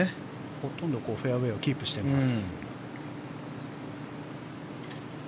ほとんどフェアウェーはキープしています。